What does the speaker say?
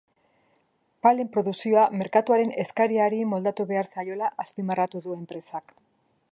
Palen produkzioa merkatuaren eskariari moldatu behar zaiola azpimarratu du enpresak.